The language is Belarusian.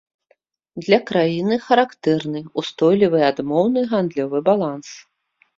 Для краіны характэрны устойлівы адмоўны гандлёвы баланс.